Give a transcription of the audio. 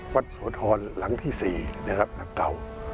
วัดโสธร์หลังที่สี่นะครับหนักเกา